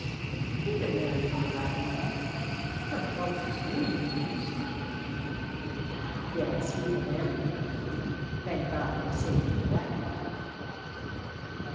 "He'd ha' married her right enough, Her folks was millionaires." "Yes, he'd ha' married her! Thank God, they saved her that."